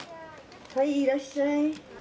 はい、いらっしゃい。